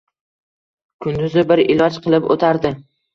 Kunduzi bir iloj qilib o‘tardi